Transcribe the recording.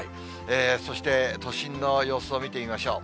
そして都心の様子を見てみましょう。